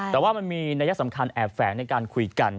แต่ว่ามันมีนัยสำคัญแอบแฝงในการคุยกัน